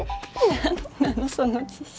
何なのその自信。